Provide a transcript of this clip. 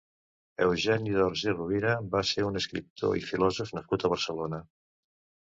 Eugeni d'Ors i Rovira va ser un escriptor i filòsof nascut a Barcelona.